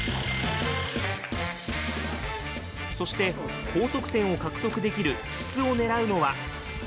そして高得点を獲得できる筒を狙うのは。